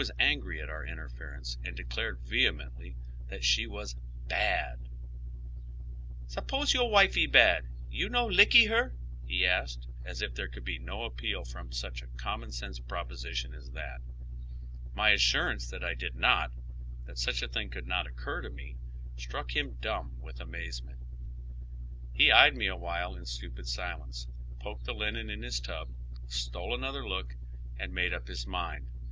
99 angry at our interference, and declared vehemently that she was " bad," " S'ppose your wifee bad, you no lickee her ?" he asked, aB if there conld be no appeal from such a cominon Bense proposition as that. My assurance that I did not, that Buch a thing could not occur to me, struck liim dumb with amazement. He eyed me a while in stupid silence, poked the linen in his tub, stole another look, and made up his mind.